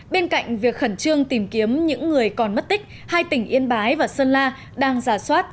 bên cạnh việc khẩn trương tìm kiếm những người còn mất tích hai tỉnh yên bái và sơn la đang giả soát